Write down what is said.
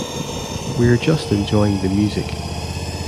We're just enjoying the music.